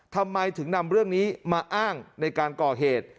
ทำไมถึงนำเรื่องนี้มาอ้างในการก่อเหตุ